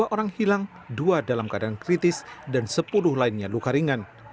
dua puluh orang hilang dua dalam keadaan kritis dan sepuluh lainnya luka ringan